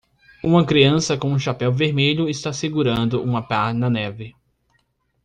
Uma criança com um chapéu vermelho está segurando uma pá na neve.